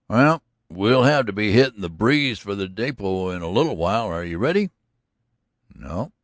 "Well, we'll have to be hittin' the breeze for the depot in a little while. Are you ready?" "No.